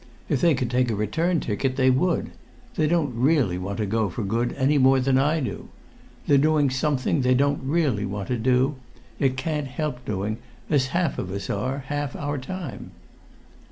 If they could take a return ticket, they would; they don't really want to go for good any more than I do. They're doing something they don't really want to do, yet can't help doing, as half of us are, half our time."